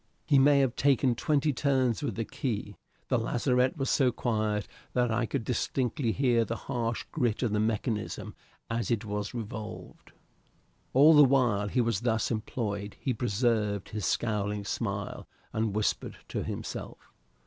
He may have taken twenty turns with the key; the lazarette was so quiet that I could distinctly hear the harsh grit of the mechanism as it was revolved. All the while he was thus employed he preserved his scowling smile, and whispered to himself.